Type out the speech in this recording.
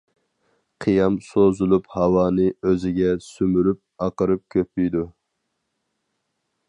قىيام سوزۇلۇپ ھاۋانى ئۆزىگە سۈمۈرۈپ ئاقىرىپ كۆپىدۇ.